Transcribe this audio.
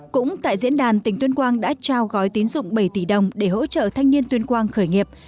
cũng tại diễn đàn tỉnh tuyên quang đã trao gói tín dụng bảy tỷ đồng để hỗ trợ thanh niên tuyên quang khởi nghiệp